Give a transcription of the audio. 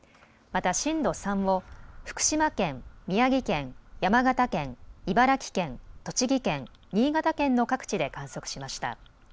また震度３を福島県、宮城県、山形県、茨城県、栃木県、新潟県の各地で観測しました。